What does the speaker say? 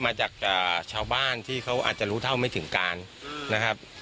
มาจากชาวบ้านที่เขาอาจจะรู้เท่าไม่ถึงการนะครับ